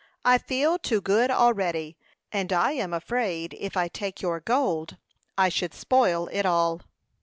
I feel too good already; and I am afraid if I take your gold I should spoil it all."